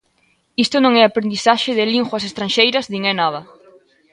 Isto non é aprendizaxe de linguas estranxeiras nin é nada.